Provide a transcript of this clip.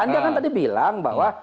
anda kan tadi bilang bahwa